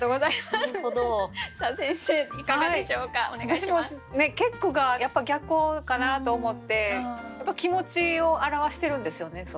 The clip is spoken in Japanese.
私も結句が逆光かなと思ってやっぱ気持ちを表してるんですよね。